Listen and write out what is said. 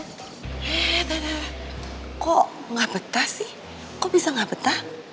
eh tante kok gak betah sih kok bisa gak betah